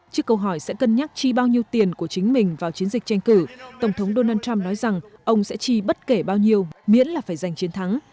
trước câu hỏi sẽ cân nhắc chi bao nhiêu tiền của chính mình vào chiến dịch tranh cử tổng thống donald trump nói rằng ông sẽ chi bất kể bao nhiêu miễn là phải giành chiến thắng